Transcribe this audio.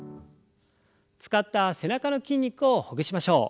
使った背中の筋肉をほぐしましょう。